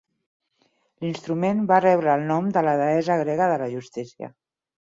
L'instrument va rebre el nom de la deessa grega de la justícia.